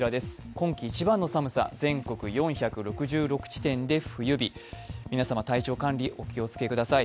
今季一番の寒さ、全国４６６地点で冬日皆様、体調管理、お気をつけください。